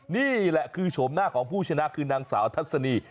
นี่แหละคือโฉมหน้าของผู้ชนะคือนางสาวทัศนี